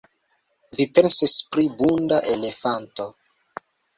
Vi pensis pri bunta elefanto!